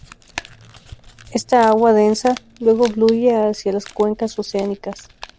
Esta agua densa luego fluye hacia las cuencas oceánicas.